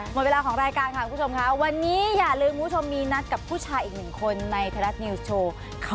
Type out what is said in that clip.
หมดเวลาของรายการค่ะคุณผู้ชมค่ะ